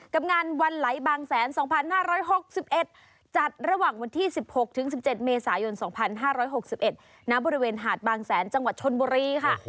กับงานวันไหลบางแสน๒๕๖๑จัดระหว่างวันที่๑๖๑๗เมษายน๒๕๖๑ณบริเวณหาดบางแสนจังหวัดชนบุรีค่ะ